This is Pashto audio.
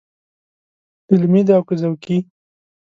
علمي دی او که ذوقي.